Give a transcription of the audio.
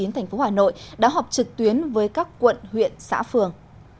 tp hà nội đã họp trực tuyến với các quận huyện xã phường